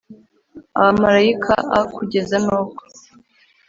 Abamarayika a kugeza n ubwo